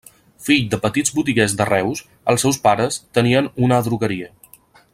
Fill de petits botiguers de Reus, els seus pares tenien una adrogueria.